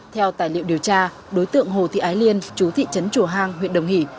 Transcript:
theo tài liệu điều tra đối tượng hồ thị ái liên chú thị trấn chùa hang huyện đồng hỷ